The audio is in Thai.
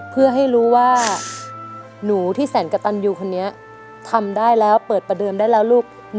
เพื่อให้รู้ว่าหนูที่แสนกระตันยูคนนี้ทำได้แล้วเปิดประเดิมได้แล้วลูก